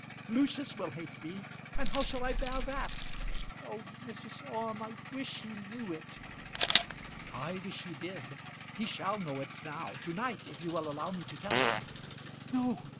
Lucius will hate me, and how shall I bear that? Oh, Mrs. Orme, I wish he knew it!" "I wish he did. He shall know it now, to night, if you will allow me to tell him." "No.